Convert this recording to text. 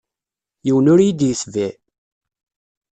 Yiwen ur yi-d-yetbiɛ.